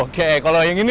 oke kalau yang ini nih